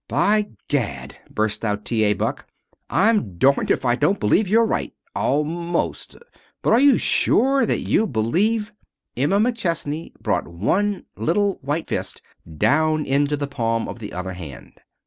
"By Gad!" burst from T. A. Buck, "I'm darned if I don't believe you're right almost But are you sure that you believe " Emma McChesney brought one little white fist down into the palm of the other hand.